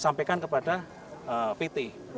sampaikan kepada pt